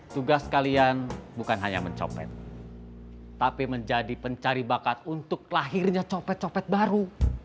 tugas kalian bukan hanya mencopet tapi menjadi pencari bakat untuk lahirnya copet copet baru